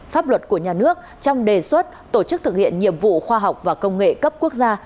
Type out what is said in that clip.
pháp luật của nhà nước trong đề xuất tổ chức thực hiện nhiệm vụ khoa học và công nghệ cấp quốc gia